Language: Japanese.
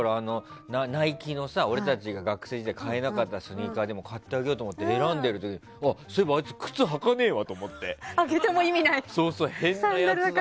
ナイキの学生時代買えなかったスニーカーでも買ってあげようと思って選んでる時にそういえば、あいつ靴履かないと思って。